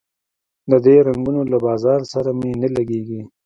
د دې رنګونو له بازار سره مي نه لګیږي